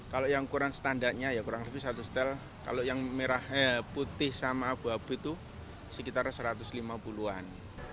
kalau yang putih sama abu abu itu sekitar satu ratus lima puluh an